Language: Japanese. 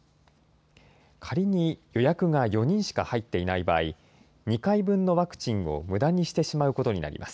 仮に予約が４人しか入っていない場合、２回分のワクチンをむだにしてしまうことになります。